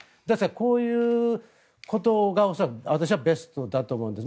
こういうことが恐らく私はベストだと思うんです。